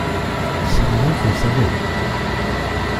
Si mon oncle savait !…